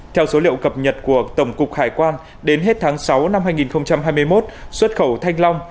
theo số liệu cập nhật của tổng cục hải quan đến hết tháng sáu năm hai nghìn hai mươi một xuất khẩu thanh long